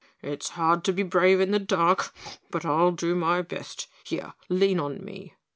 "It's hard to be brave in the dark, but I'll do my best. Here, lean on me."